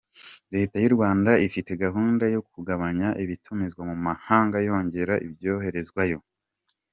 Leta y’u Rwanda ifite gahunda yo kugabanya ibitumizwa mu mahanga yongera ibyoherezwayo.